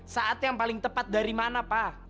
saat yang paling tepat dari mana pak